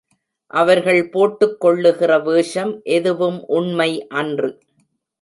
அவர்கள் போட்டுக் கொள்ளுகிற வேஷம் எதுவும் உண்மை அன்று.